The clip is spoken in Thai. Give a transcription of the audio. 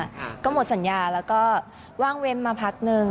ค่ะก็หมดสัญญาแล้วก็ว่างเว้นมาพักนึง